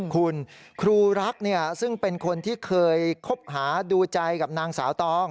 คุณครูรักซึ่งเป็นคนที่เคยคบหาดูใจกับนางสาวตอง